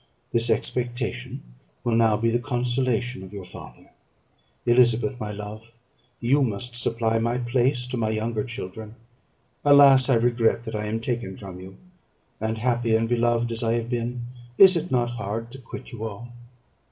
This expectation will now be the consolation of your father. Elizabeth, my love, you must supply my place to my younger children. Alas! I regret that I am taken from you; and, happy and beloved as I have been, is it not hard to quit you all?